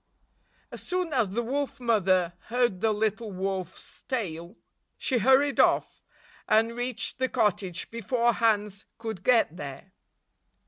As soon as the Wolf Mother heard the little wolfs tale, she hurried off, and reached the cottage before Hans could get there.